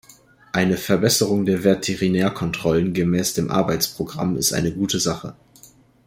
Eine Verbesserung der Veterinärkontrollen gemäß dem Arbeitsprogramm ist eine gute Sache.